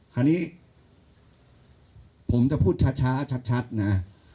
คราวนี้ผมจะพูดช้าชัดนะ